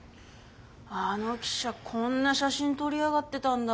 あの記者こんな写真撮りやがってたんだ！